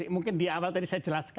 mungkin di awal tadi saya jelaskan